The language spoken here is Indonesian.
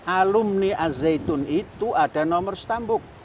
alumni azzaitun itu ada nomor setambuk